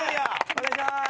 お願いします。